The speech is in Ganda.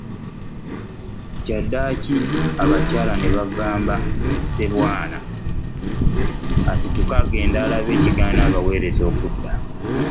Kyaddaaki Abakyala ne bagamba Ssebwana asituke agende alabe ekigaana abaweereza okudda.